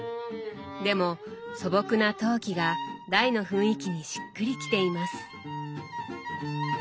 でも素朴な陶器が台の雰囲気にしっくりきています。